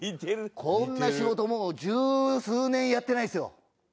こんな仕事もう十数年やってないですよ。